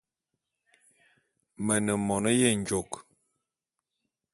Me ne mone yenjôk.